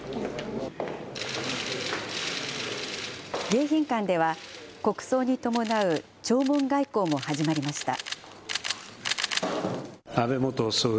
迎賓館では、国葬に伴う弔問外交も始まりました。